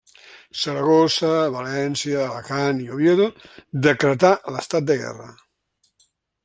Saragossa, València, Alacant i Oviedo decretà l'estat de guerra.